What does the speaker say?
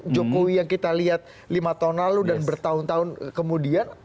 jokowi yang kita lihat lima tahun lalu dan bertahun tahun kemudian